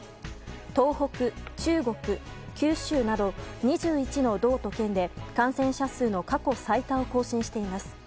東北、中国、九州など２１の道と県で感染者数の過去最多を更新しています。